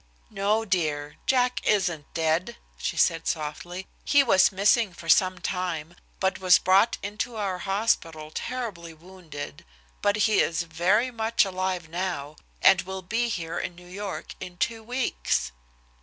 "No, dear. Jack isn't dead," she said softly. "He was missing for some time, and was brought into our hospital terribly wounded, but he is very much alive now, and will be here in New York in two weeks."